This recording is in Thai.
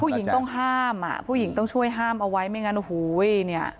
ผู้หญิงต้องห้ามอ่ะผู้หญิงต้องช่วยห้ามเอาไว้ไม่งั้นโอ้โหเนี่ย